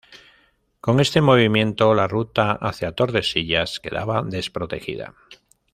Con este movimiento, la ruta hacia Tordesillas quedaba desprotegida.